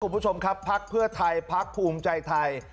ขอบคุณผู้ชมครับพรรคเพื่อไทยพรรคภูมิใจไทย